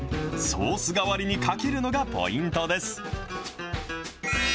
ソース代わりにかけるのがポイントです。